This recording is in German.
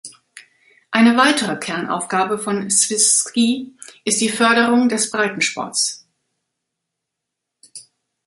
Eine weitere Kernaufgabe von Swiss-Ski ist die Förderung des Breitensports.